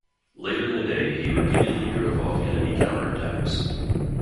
Later in the day he repeatedly drove off enemy counter-attacks.